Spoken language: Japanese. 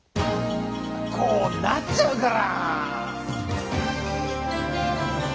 こうなっちゃうから！